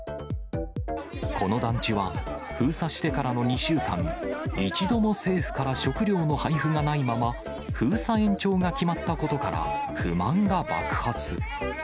この団地は封鎖してからの２週間、一度も政府から食料の配布がないまま封鎖延長が決まったことから、不満が爆発。